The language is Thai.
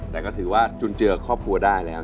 แต่ก็ถือว่าจุนเจือครอบครัวได้แล้ว